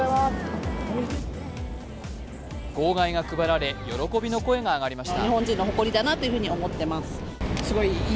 号外が配られ喜びの声が上がりました。